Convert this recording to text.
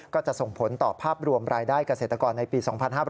ก็จะส่งผลต่อภาพรวมรายได้เกษตรกรในปี๒๕๕๘